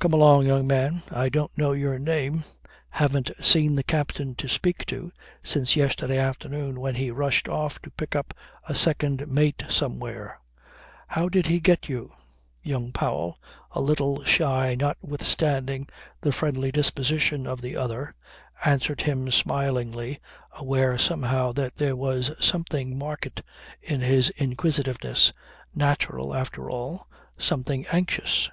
Come along, young man. I don't know your name. Haven't seen the captain, to speak to, since yesterday afternoon when he rushed off to pick up a second mate somewhere. How did he get you?" Young Powell, a little shy notwithstanding the friendly disposition of the other, answered him smilingly, aware somehow that there was something marked in this inquisitiveness, natural, after all something anxious.